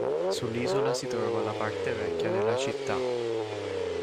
Sull'isola si trova la parte vecchia della città.